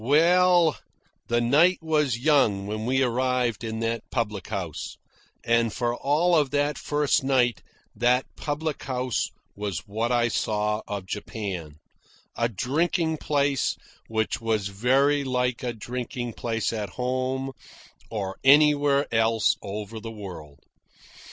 Well, the night was young when we arrived in that public house, and for all of that first night that public house was what I saw of Japan a drinking place which was very like a drinking place at home or anywhere else over the world.